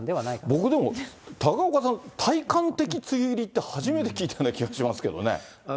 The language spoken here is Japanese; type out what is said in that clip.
僕でも、高岡さん、体感的梅雨入りって初めて聞いたような気がしますけどね。